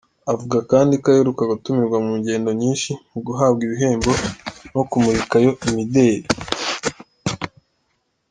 Avuga kandi ko aheruka gutumirwa mu ngendo nyinshi mu guhabwa ibihembo no kumurikayo imideri.